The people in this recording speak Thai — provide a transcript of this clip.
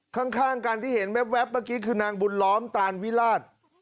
ข้างกันที่เห็นแว๊บเมื่อกี้คือนางบุญล้อมตานวิราช